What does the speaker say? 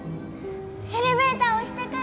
エレベーター押してくる！